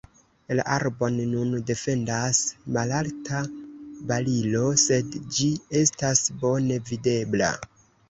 La arbon nun defendas malalta barilo, sed ĝi estas bone videbla.